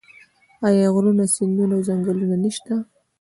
آیا غرونه سیندونه او ځنګلونه نشته؟